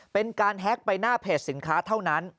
เป็นการแฮ็กไปหน้าเพจสินค้าเท่านั้น